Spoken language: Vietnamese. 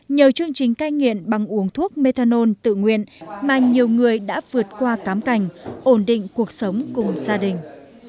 nhờ chương trình cai nghiện bằng uống thuốc methanol tự nguyện mà nhiều người đã vượt qua cám cành ổn định cuộc sống cùng gia đình